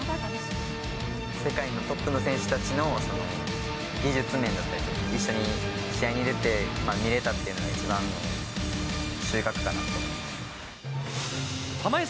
世界のトップの選手たちの技術面だったりとか、一緒に試合に出て、見れたっていうのが、一番の収穫だったと思います。